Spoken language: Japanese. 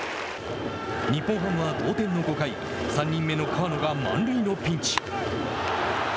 日本ハムは、同点の５回３人目の河野が満塁のピンチ。